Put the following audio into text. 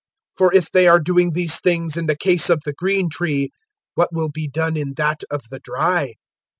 023:031 For if they are doing these things in the case of the green tree, what will be done in that of the dry?"